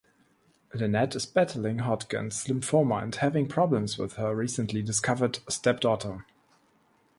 Lynette is battling Hodgkin's lymphoma and having problems with her recently discovered stepdaughter.